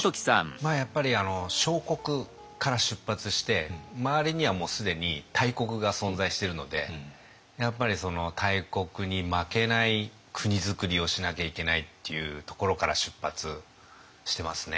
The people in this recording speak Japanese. やっぱり小国から出発して周りにはもう既に大国が存在してるのでやっぱりその大国に負けない国づくりをしなきゃいけないっていうところから出発してますね。